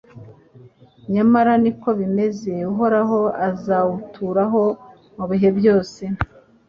Nyamara ni ko bimeze Uhoraho azawuturaho mu bihe byose